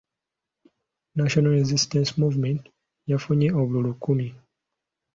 National Resistance Movement yafunye obululu kkumi.